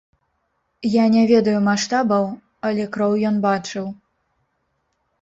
Я не ведаю маштабаў, але кроў ён бачыў.